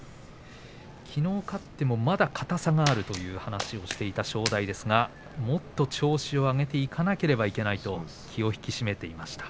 きのう勝ってもまだ硬さがあるという話をしていた正代ですがもっと調子を上げていかなければいけないと気を引き締めていました。